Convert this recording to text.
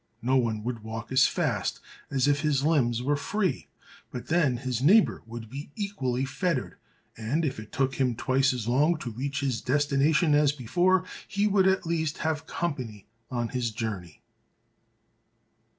No one would walk as fast as if his limbs were free, but then his neighbor would be equally fettered, and, if it took him twice as long to reach his destination as before, he would at least have company on his journey."